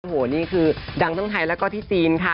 โอ้โหนี่คือดังทั้งไทยแล้วก็ที่จีนค่ะ